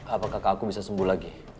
apakah aku bisa sembuh lagi